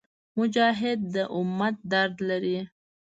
مجاهد د امت درد لري.